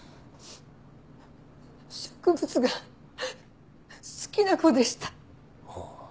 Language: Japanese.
植物が好きな子でした。